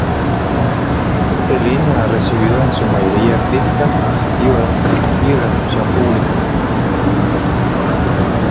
Helena ha recibido en su mayoría críticas positivas y recepción pública.